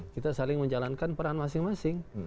kita saling menjalankan peran masing masing